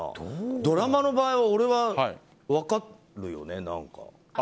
ドラマの場合俺は分かるよね、何か。